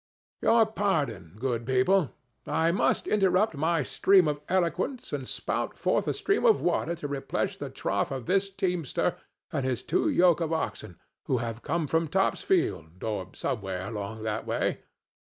Your pardon, good people! I must interrupt my stream of eloquence and spout forth a stream of water to replenish the trough for this teamster and his two yoke of oxen, who have come from Topsfield, or somewhere along that way.